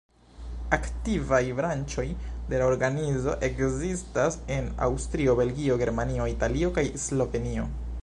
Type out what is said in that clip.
Aktivaj branĉoj de la organizo ekzistas en Aŭstrio, Belgio, Germanio, Italio kaj Slovenio.